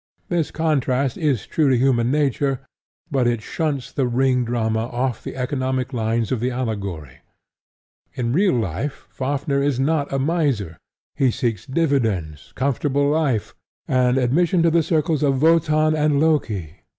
This contrast is true to human nature; but it shunts The Ring drama off the economic lines of the allegory. In real life, Fafnir is not a miser: he seeks dividends, comfortable life, and admission to the circles of Wotan and Loki.